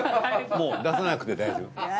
もう出さなくて大丈夫。